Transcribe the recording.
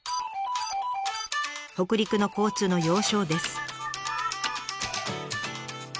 北陸の交通の要衝です。